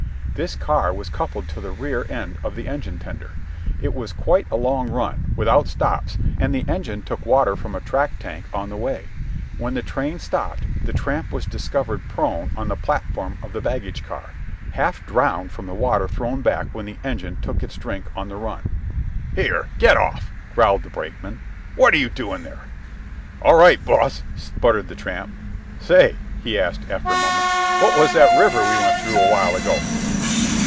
This car was coupled to the rear end of the engine tender; it was quite a long run, without stops, and the engine took water from a track tank on the way. When the train stopped, the tramp was discovered prone on the platform of the baggage car, half drowned from the water thrown back when the engine took its drink on the run. "Here, get off!" growled the brakeman. "What are you doing there?" "All right, boss," sputtered the tramp. "Say," he asked after a moment, "what was that river we went through a while ago?"